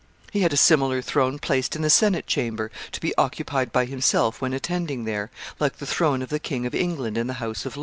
He had a similar throne placed in the senate chamber, to be occupied by himself when attending there, like the throne of the King of England in the House of Lords.